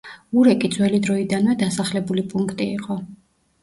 ურეკი ძველი დროიდანვე დასახლებული პუნქტი იყო.